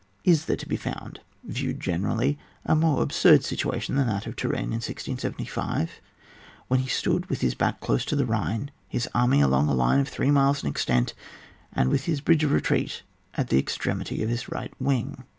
Is there to be found, viewed generally, a more absurd situation than that of Turenne in 1675, when he stood with his back close to the Bhine, his army along a line of three miles in extent, and with his bridge of retreat at the extremity of his right wing